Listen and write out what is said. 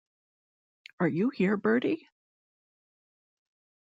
Are you here, Bertie?